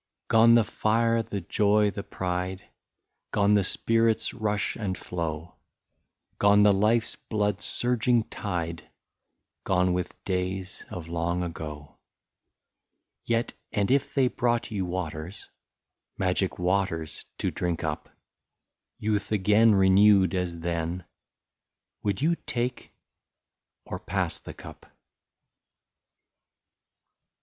Gone, the fire, the joy, the pride. Gone, the spirits' rush and flow, Gone, the life blood's surging tide, Gone with days of long ago. 58 Yet, and if they brought you waters, Magic waters to drink up, — Youth again, renewed as then — Would you take or pass the cup